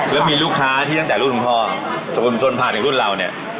แล้วมีลูกค้าที่ตั้งแต่รุ่นคุณพ่อจนผ่านในรุ่นเราเนี่ย